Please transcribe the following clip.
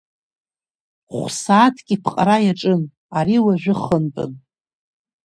Хә-сааҭк иԥҟара иаҿын ари уажәы хынтәын.